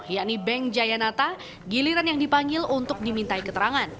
yakni beng jayanata giliran yang dipanggil untuk dimintai keterangan